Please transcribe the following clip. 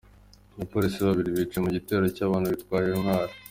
Abapolisi Babiri biciwe mu gitero cy’abantu bitwaje intwaro